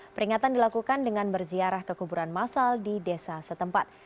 peringatan dilakukan dengan berziarah kekuburan masal di desa setempat